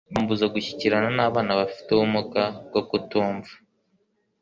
bambuza gushyikirana n'abana bafite ubumuga bwo kutumva.